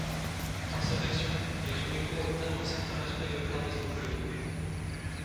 Par cette action, les Zurichois obtinrent un certain respect de la part des employeurs.